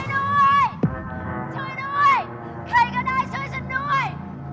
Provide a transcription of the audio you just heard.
ด้วยช่วยด้วยใครก็ได้ช่วยฉันด้วย